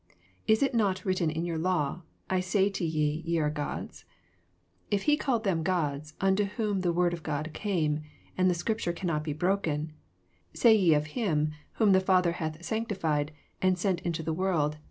Is it not written in your law, I said Ye are gods? 35 If he called them godj, unto whom the word of God came, and the ■oripture cannot be broken; 36 Say ye of him, whom the Father hath sanctified, and sent into the world.